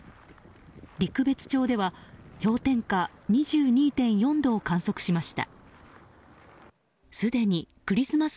陸別町では氷点下２２．４度を観測しました。